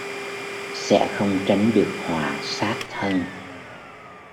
sẽ không tránh được họa sát thân